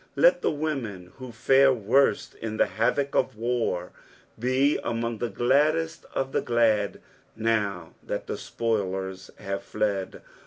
Let the women, who fare worst in the havoc of war, be unong the gladdest of the glad, now that the spoilers have fled.